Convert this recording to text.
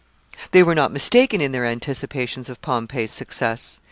] They were not mistaken in their anticipations of Pompey's success.